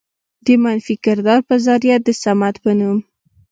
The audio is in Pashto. د منفي کردار په ذريعه د صمد په نوم